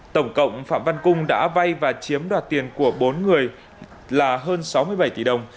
tổng cộng phạm văn cung đã vay và chiếm đoạt tiền của bốn người là hơn sáu mươi bảy tỷ đồng